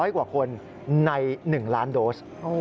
๐กว่าคนใน๑ล้านโดส